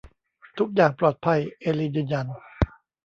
ทุกอย่างปลอดภัยเอลีนยืนยัน